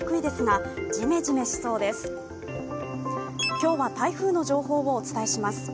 今日は台風の情報をお伝えします。